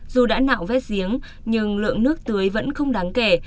dù đã nạo vét giếng nhưng lượng nước tưới vẫn không đáng kể